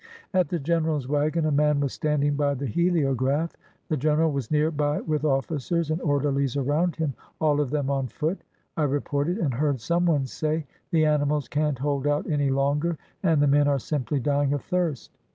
At the general's wagon a man was standing by the heliograph. The general was near by with ofl&cers and orderlies around him, all of them on foot. I reported and heard some one say: "The animals can't hold out any longer and the men are simply dying of thirst."